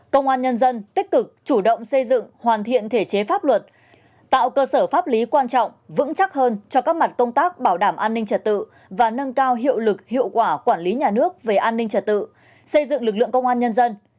công an nhân dân tích cực chủ động xây dựng hoàn thiện thể chế pháp luật tạo cơ sở pháp lý quan trọng vững chắc hơn cho các mặt công tác bảo đảm an ninh trật tự và nâng cao hiệu lực hiệu quả quản lý nhà nước về an ninh trật tự xây dựng lực lượng công an nhân dân